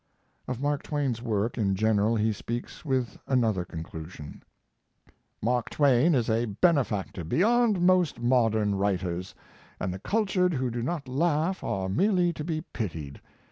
Of Mark Twain's work in general he speaks with another conclusion: Mark Twain is a benefactor beyond most modern writers, and the cultured who do not laugh are merely to be pitied.